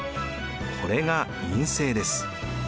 これが院政です。